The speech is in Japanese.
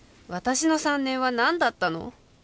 私の３年は何だったの？